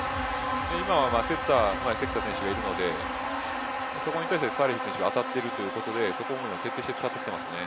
今はセッターに関田選手がいるのでそこに対して当たっているということでそこを徹底的に使ってきていますね。